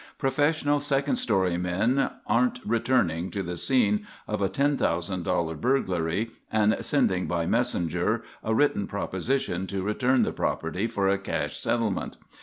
Professional second story men aren't returning to the scene of a $10,000 burglary and sending by messenger a written proposition to return the property for a cash settlement.